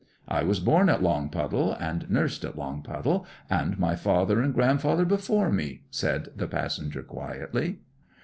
'I was born at Longpuddle, and nursed at Longpuddle, and my father and grandfather before me,' said the passenger quietly.